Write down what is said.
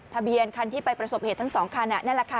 ทะเบียนคันที่ไปประสบเหตุทั้งสองคันนั่นแหละค่ะ